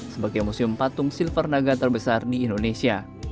sebagai museum patung silver naga terbesar di indonesia